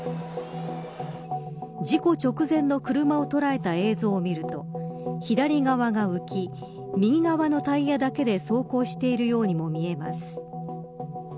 事故直前の車を捉えた映像を見ると左側が浮き右側のタイヤだけで走行しているようにも見えます。